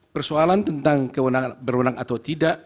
persoalan tentang kewenangan berwenang atau tidak